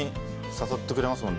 誘ってくれますもんね。